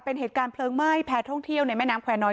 เป็นเหตุการณ์เพลิงไหม้แพ้ท่องเที่ยวในแม่น้ำแควร์น้อย